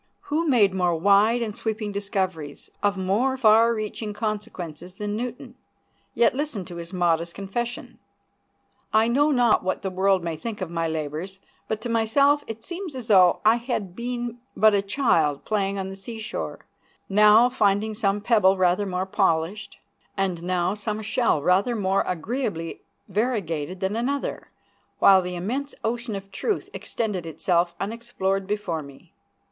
Who made more wide and sweeping discoveries, of more far reaching consequences, than Newton? Yet listen to his modest confession: "I know not what the world may think of my labors, but to myself it seems as though I had been but a child playing on the seashore, now finding some pebble rather more polished, and now some shell rather more agreeably variegated than another, while the immense ocean of truth extended itself unexplored before me."